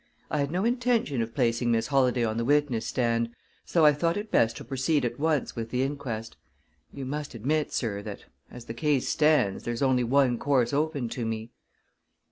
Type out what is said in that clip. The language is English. I had no intention of placing Miss Holladay on the witness stand, so I thought it best to proceed at once with the inquest. You must admit, sir, that, as the case stands, there's only one course open to me."